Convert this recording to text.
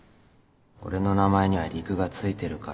俺の名前には陸がついてるから